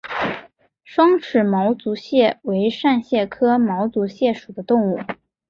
双齿毛足蟹为扇蟹科毛足蟹属的动物。